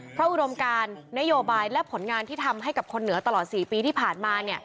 เพราะอุดมการนโยบายและผลงานที่ทำให้กับคนเหนือตลอด๔ปีที่ผ่านมา